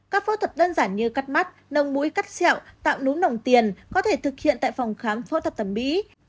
các phẫu thuật đơn giản như cắt mắt nông mũi cắt xẹo tạo nú nồng tiền có thể thực hiện tại phòng khám phẫu thuật thẩm mỹ